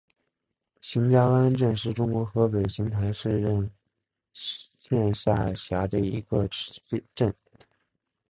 邢家湾镇是中国河北省邢台市任县下辖的一个镇。